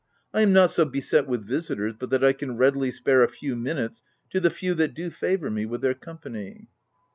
" I am not so beset with visitors, but that I can readily spare a few minutes to the few that do favour me with their company."